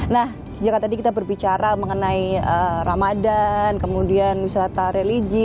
nah jika tadi kita berbicara mengenai ramadan kemudian wisata religi